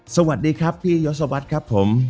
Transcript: สวัสดีครับพี่ยศวรรษครับผม